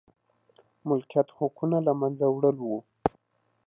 مالکیت حقونو له منځه وړل و.